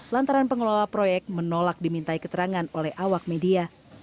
lantaran pengelola proyek menolak dimintai keterangan oleh awak media